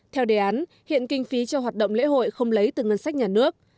theo đề án hiện kinh phí cho hoạt động lễ hội không lấy từ ngân sách nhà nước